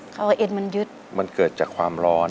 เขาเอาเอ็นมันยึดมันเกิดจากความร้อน